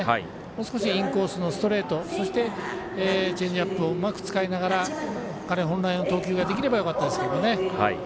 もう少しインコースのストレートそして、チェンジアップをうまく使いながら彼本来の投球ができればよかったんですけどね。